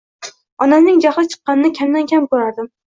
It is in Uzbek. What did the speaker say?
Onamning jahli chiqqanini kamdan-kam ko‘rardim.